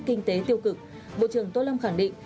kinh tế tiêu cực bộ trưởng tô lâm khẳng định